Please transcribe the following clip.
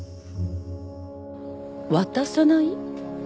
「渡さない」？